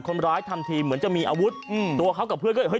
คนร้ายทำทีเหมือนจะมีอาวุธอืมตัวเขากับเพื่อนก็เลยเฮ